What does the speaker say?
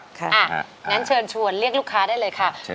อย่างนั้นเชิญชวนเรียกลูกค้าได้เลยค่ะ